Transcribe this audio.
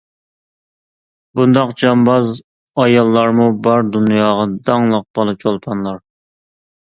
بۇنداق جامباز ئاياللارمۇ بار دۇنياغا داڭلىق بالا چولپانلار.